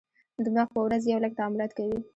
دماغ په ورځ یو لک تعاملات کوي.